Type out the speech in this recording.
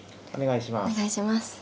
お願いします。